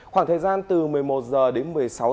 khoảng thời gian từ một mươi một h đến một mươi sáu h